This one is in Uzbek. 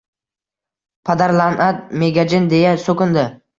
«Padarla’nat, megajin! — deya so‘kindi